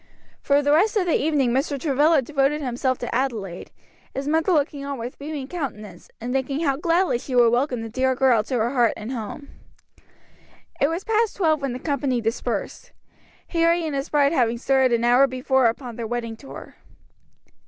For the rest of the evening Mr. Travilla devoted himself to Adelaide, his mother looking on with beaming countenance, and thinking how gladly she would welcome the dear girl to her heart and home. It was past twelve when the company dispersed. Harry and his bride having started an hour before upon their wedding tour.